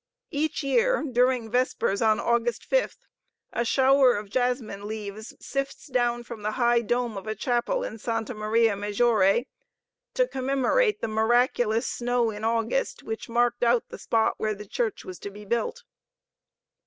Each year, during Vespers on August 5th, a shower of jasmin leaves sifts down from the high dome of a chapel in Santa Maria Maggiore, to commemorate the miraculous snow in August which marked out the spot where the church was to be built.